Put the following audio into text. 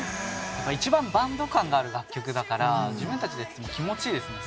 一番バンド感がある楽曲だから自分たちでやってても気持ちいいですもん。